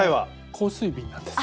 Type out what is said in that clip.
香水瓶なんです。